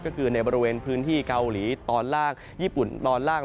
ก็คือในบริเวณพื้นที่เกาหลีตอนล่างญี่ปุ่นตอนล่าง